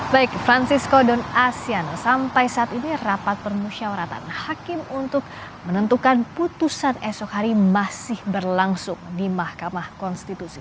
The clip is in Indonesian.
baik francisco dan asean sampai saat ini rapat permusyawaratan hakim untuk menentukan putusan esok hari masih berlangsung di mahkamah konstitusi